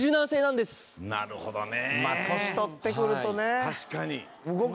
なるほどね。